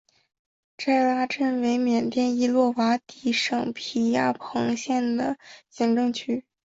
斋拉镇为缅甸伊洛瓦底省皮亚朋县的行政区。